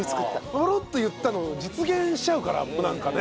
ぽろっと言ったの実現しちゃうからなんかね。